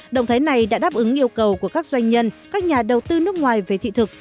động thái này đã đáp ứng yêu cầu của các doanh nhân các nhà đầu tư nước ngoài về thị thực